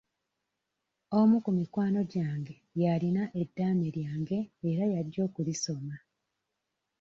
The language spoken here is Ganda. Omu ku mikwano gyange y'alina eddaame lyange era y'ajja okulisoma.